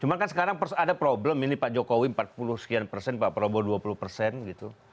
cuma kan sekarang ada problem ini pak jokowi empat puluh sekian persen pak prabowo dua puluh persen gitu